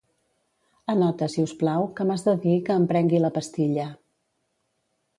Anota, si us plau, que m'has de dir que em prengui la pastilla.